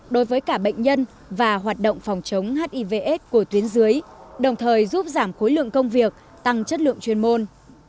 đối với cả bệnh nhân và hoạt động phòng chống hivs của tuyến dưới đồng thời giúp giảm khối lượng công việc tăng chất lượng chuyên môn